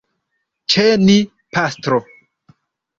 Ĉe ni, pastro.